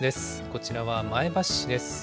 こちらは前橋市です。